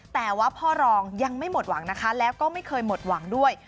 แต่ว่าพ่อรองยังไม่หมดหวังนะคะแล้วก็ไม่เคยหมดหวังด้วย